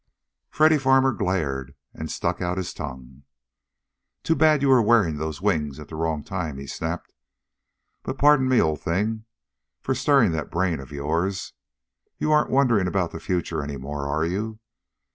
Freddy Farmer glared and stuck out his tongue. "Too bad you were wearing those wings at the wrong time!" he snapped. "But pardon me, old thing, for stirring that brain of yours. You aren't wondering about the future any more, are you?